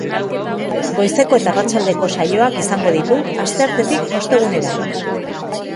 Goizeko eta arratsaldeko saioak izango ditu, asteartetik ostegunera.